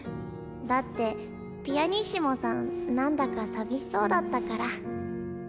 だってピアニッシモさん何だか寂しそうだったから。